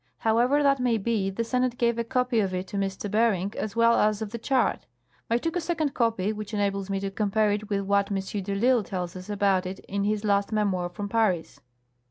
However that may be, the Senate gave a copy of it to M. Bering as well as of the chart. I took a second copy, which enables me to compare it with wlrat M. de risle tells us about it in his last memoir from Paris.